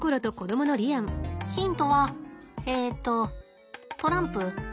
ヒントはえとトランプ。